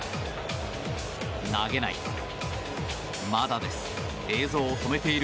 投げない。